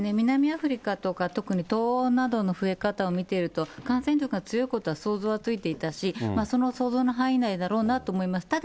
南アフリカとか、特に東欧などの増え方を見ると、感染力が強いことは想像はついていたし、その想像の範囲内だろうなと思います。